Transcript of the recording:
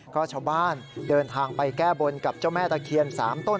ก็ชาวบ้านเดินทางไปแก้บนกับเจ้าแม่ตะเคียน๓ต้น